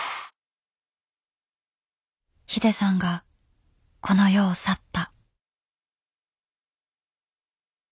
ＨＩＤＥさんがこの世を去った。